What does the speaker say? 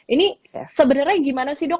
ini sebenarnya gimana sih dok